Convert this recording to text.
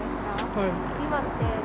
はい。